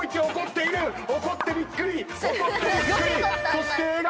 そして笑顔。